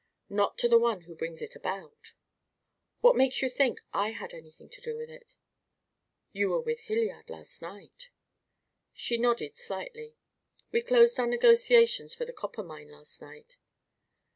"Not to the one who brings it about." "What makes you think I had anything to do with it?" "You were with Hilliard last night." She nodded slightly, "We closed our negotiations for the copper mine last night."